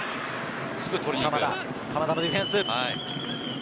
鎌田のディフェンス。